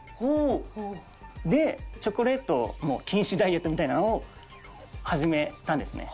でチョコレート禁止ダイエットみたいなのを始めたんですね。